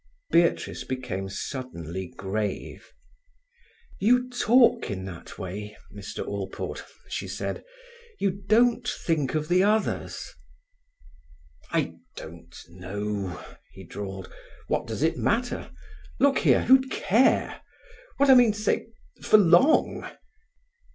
Beatrice became suddenly grave. "You talk in that way, Mr. Allport," she said. "You don't think of the others." "I don't know," he drawled. "What does it matter? Look here—who'd care? What I mean to say—for long?"